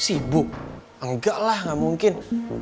ibu enggak lah gak mungkin